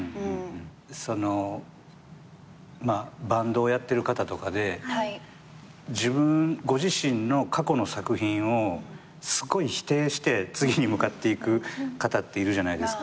そのバンドをやってる方とかで自分ご自身の過去の作品をすごい否定して次に向かっていく方っているじゃないですか。